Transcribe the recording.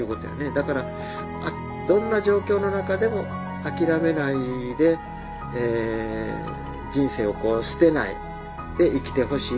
だからどんな状況の中でも諦めないで人生を捨てないで生きてほしい。